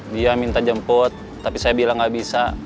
dia minta jemput tapi saya bilang nggak bisa